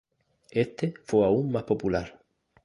Este fue aún más popular.